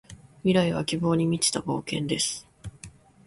未来は希望に満ちた冒険です。